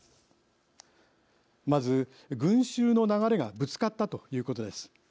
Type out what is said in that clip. まず、群集の流れがぶつかったということです。